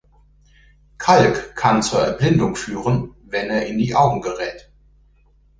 Kalk kann zur Erblindung führen, wenn er in die Augen gerät.